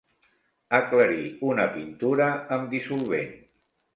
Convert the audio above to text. Aclarir una pintura amb dissolvent.